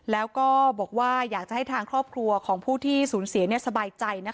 และบอกว่าอยากให้ทางครอบครัวสนเสียสบายใจ